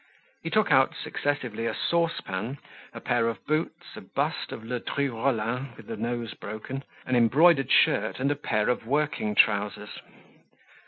He took out successively a saucepan, a pair of boots, a bust of Ledru Rollin with the nose broken, an embroidered shirt and a pair of working trousers.